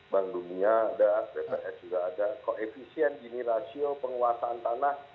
bank dunia dan bps juga ada koefisien dini rasio penguasaan tanah delapan puluh